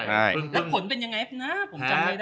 แล้วผลเป็นยังไงนะผมจำไม่ได้